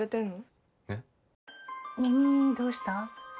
耳どうした？